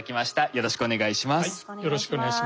よろしくお願いします。